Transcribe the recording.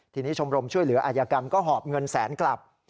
ทีนี้ชมรมช่วยเหลืออายกรรมก็หอบเงินแสนกลับ